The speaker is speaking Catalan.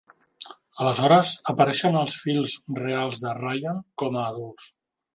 Aleshores, apareixen els fills reals de Ryan com a adults.